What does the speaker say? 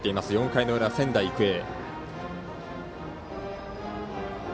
４回の裏、仙台育英。